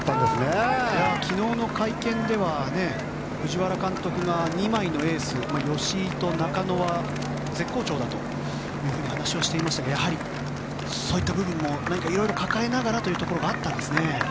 昨日の会見では藤原監督が２枚のエース吉居と中野は絶好調だと話をしていましたがやはりそういった部分も色々抱えながらというのがあったんですね。